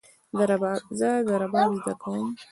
زه رباب زده کوم